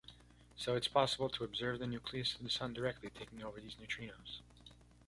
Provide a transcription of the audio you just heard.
So it’s possible to observe the nucleus of the Sun directly taking over these neutrinos.